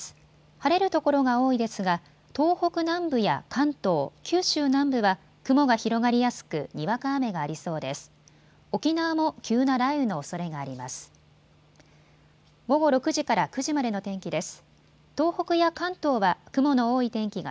晴れる所が多いですが東北南部や関東、九州南部は雲が広がりやすくにわか雨がありそうです。